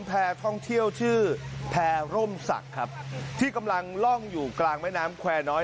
แพร่ท่องเที่ยวชื่อแพร่ร่มศักดิ์ครับที่กำลังล่องอยู่กลางแม่น้ำแควร์น้อย